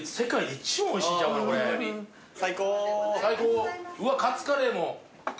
うわカツカレーも。